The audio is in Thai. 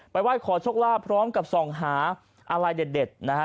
ไห้ขอโชคลาภพร้อมกับส่องหาอะไรเด็ดนะฮะ